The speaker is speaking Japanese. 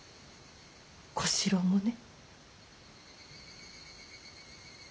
小四郎もね。